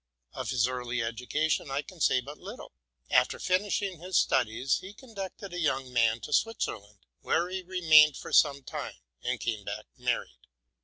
Of nis early education I can say but little. After finishing his studies, he conducted a young man to Switzerland, where he remained for some time, and came back married.